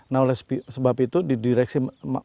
nah oleh sebab itu di direksi